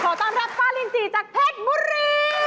ขอต้อนรับฟ้าลินทรีย์จากเพชรมุรี